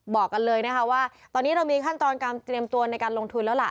บอกกันเลยนะคะว่าตอนนี้เรามีขั้นตอนการเตรียมตัวในการลงทุนแล้วล่ะ